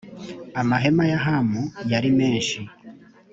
amahema ya hamu yari menshi